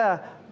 rapat di bawah